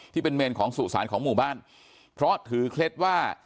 ที่เป็นเมนของสู่สารของหมู่บ้านเพราะถือเคล็ดว่า